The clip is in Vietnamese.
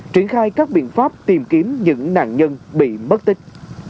triển khai các biện pháp tìm kiếm những nạn nhân bị mất tích